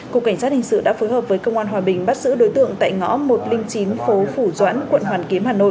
cục cảnh sát hình sự đã phối hợp với công an hòa bình bắt giữ đối tượng tại ngõ một trăm linh chín phố phủ doãn quận hoàn kiếm hà nội